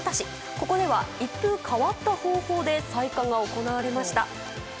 ここでは一風変わった方法で採火が行われました。